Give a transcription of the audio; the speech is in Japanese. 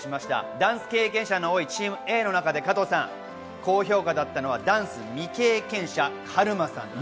ダンス経験者の多い、ＴｅａｍＡの中で高評価だったのはダンス未経験者のカルマさんです。